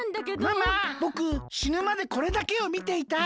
ママぼくしぬまでこれだけをみていたい。